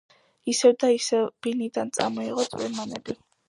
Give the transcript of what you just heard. ისევ და ისევ ბინიდან წამოიღო წვრილმანები.